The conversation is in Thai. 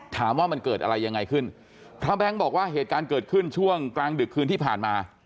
ว่ามันเกิดอะไรยังไงขึ้นพระแบงค์บอกว่าเหตุการณ์เกิดขึ้นช่วงกลางดึกคืนที่ผ่านมา